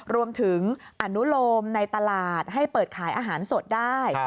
รวมถึงอนุโลมในตลาดให้เปิดขายอาหารสดได้